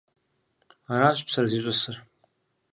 Аращ псэр зищӏысыр.